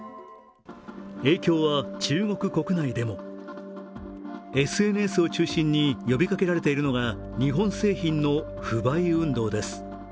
影響は中国国内でもＳＮＳを中心に呼びかけられているのが、日本製品の不買運動です。